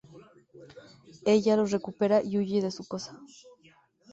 Ella los recupera y huye de su casa.